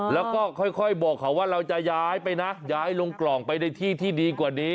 แล้วก็ค่อยบอกเขาว่าเราจะย้ายไปนะย้ายลงกล่องไปในที่ที่ดีกว่านี้